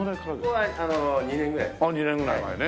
ああ２年ぐらい前ね。